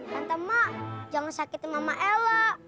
tante mak jangan sakitin mama ella